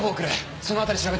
その辺り調べて。